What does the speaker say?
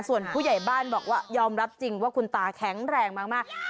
ส่วนผู้ใหญ่บ้านบอกว่ายอมรับจริงว่าคุณตาแข็งแรงมาก